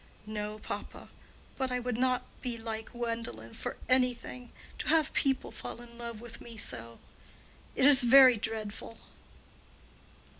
"No, papa. But I would not be like Gwendolen for any thing—to have people fall in love with me so. It is very dreadful."